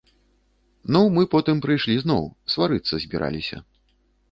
Ну мы потым прыйшлі зноў, сварыцца збіраліся.